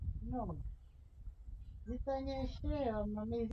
Ni nadra sana ugonjwa wa mimba kutoka kuu mnyama